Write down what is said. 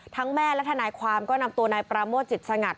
แม่และทนายความก็นำตัวนายปราโมทจิตสงัด